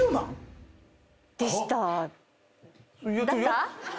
でした。